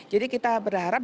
jadi kita berharap